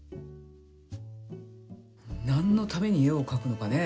なんのために絵をかくのかね。